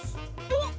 おっ！